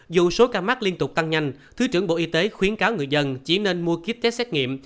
dù số ca mắc liên tục tăng nhanh thứ trưởng bộ y tế khuyến cáo người dân chỉ nên mua kiếp test xét nghiệm